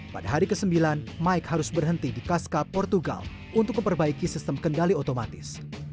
pada hari ke sembilan mike harus berhenti di kaska portugal untuk memperbaiki sistem kendali otomatis